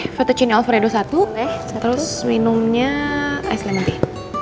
oke fettuccine alfredo satu terus minumnya ais lemanti